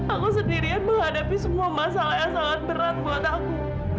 aku sendirian menghadapi semua masalah yang sangat berat buat aku